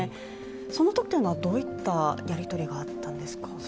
そのときというのはどういったやり取りがあったんですか？